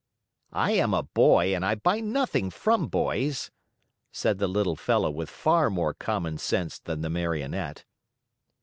"I am a boy and I buy nothing from boys," said the little fellow with far more common sense than the Marionette.